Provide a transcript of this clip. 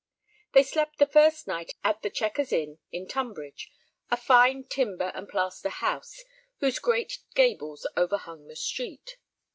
They slept the first night at The Checkers Inn at Tunbridge, a fine timber and plaster house whose great gables overhung the street.